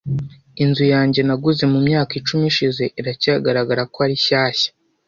Inzu yanjye, naguze mu myaka icumi ishize, iracyagaragara ko ari shyashya.